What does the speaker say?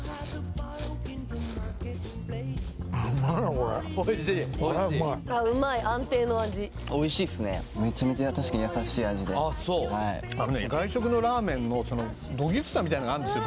これおいしいおいしいこれうまいうまい安定の味おいしいっすねめちゃめちゃ確かに優しい味であっそうはいあのね外食のラーメンのどぎつさみたいのがあるんですよ